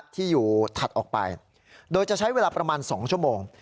ที่อยู่ถัดออกไปโดยจะใช้เวลาประมาณ๒ชั่วโมง